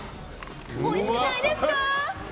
おいしくないですか？